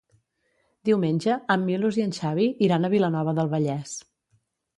Diumenge en Milos i en Xavi iran a Vilanova del Vallès.